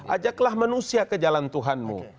ajaklah manusia ke jalan tuhanmu